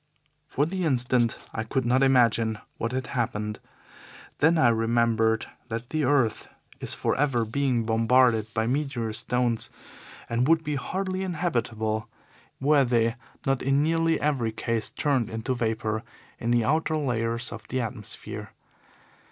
For the instant I could not imagine what had happened. Then I remembered that the earth is for ever being bombarded by meteor stones, and would be hardly inhabitable were they not in nearly every case turned to vapour in the outer layers of the atmosphere.